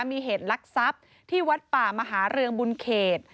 มีเหตุลักษัพที่วัดป่ามหาเรืองบุญเขต